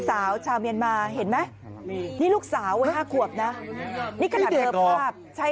สาวชาวเมียนมาเห็นไหมนี่ลูกสาววัย๕ขวบนะนี่ขนาดเจอภาพใช่